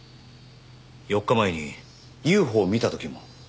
４日前にＵＦＯを見た時も？